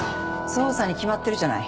捜査に決まってるじゃない。